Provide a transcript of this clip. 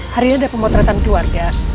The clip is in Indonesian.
hari ini ada pemotretan keluarga